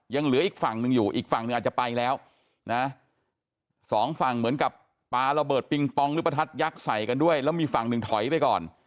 ยังเหลืออีกฝั่งหนึ่งอยู่อีกฝั่งหนึ่งอาจจะไปแล้วนะสองฝั่งเหมือนกับปลาระเบิดปิงปองหรือประทัดยักษ์ใส่กันด้วยแล้วมีฝั่งหนึ่งถอยไปก่อน